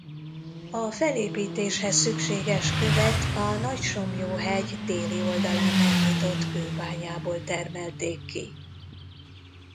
A felépítéshez szükséges követ a Nagysomlyó-hegy déli oldalán megnyitott kőbányából termelték ki.